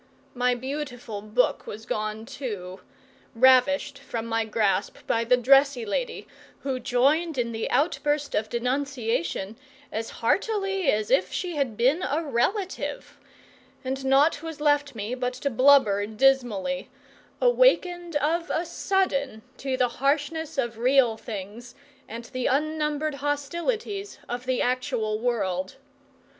My beautiful book was gone too ravished from my grasp by the dressy lady, who joined in the outburst of denunciation as heartily as if she had been a relative and naught was left me but to blubber dismally, awakened of a sudden to the harshness of real things and the unnumbered hostilities of the actual world.